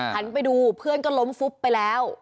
หันไปดูเพื่อนก็ล้มฟุบไปแล้ว